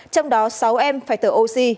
trong đó sáu em phải tờ oxy